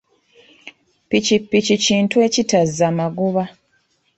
Ppikipiki kintu ekitazza magoba.